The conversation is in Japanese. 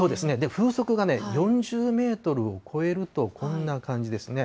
風速が４０メートルを超えると、こんな感じですね。